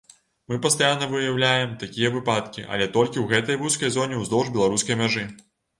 Мы пастаянна выяўляем такія выпадкі, але толькі ў гэтай вузкай зоне ўздоўж беларускай мяжы!